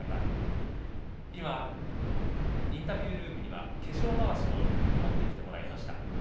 今、インタビュールームには化粧まわしも持ってきてもらいました。